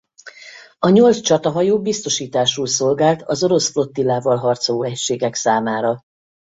A nyolc csatahajó biztosításul szolgált az orosz flottillával harcoló egységek számára.